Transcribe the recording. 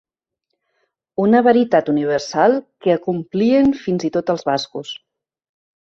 Una veritat universal que acomplien fins i tot els bascos!